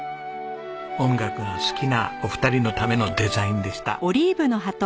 音楽が好きなお二人のためのデザインでした。